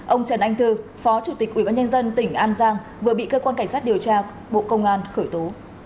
ông trần anh thư phó chủ tịch ubnd tỉnh an giang vừa bị cơ quan cảnh sát điều tra bộ công an khởi tố